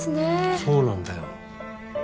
そうなんだよ。